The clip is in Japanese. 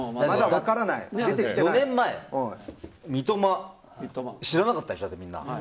４年前、三笘って知らなかったでしょ、みんな。